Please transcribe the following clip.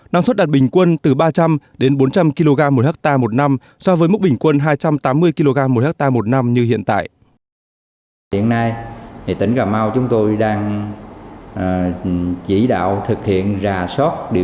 năng suất đạt bình quân từ ba trăm linh đến bốn trăm linh kg một hectare một năm so với mức bình quân hai trăm tám mươi kg một hectare một năm như hiện tại